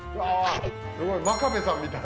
すごい真壁さんみたい。